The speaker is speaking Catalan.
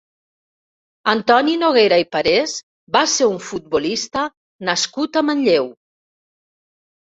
Antoni Noguera i Parés va ser un futbolista nascut a Manlleu.